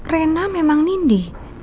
rena memang nindi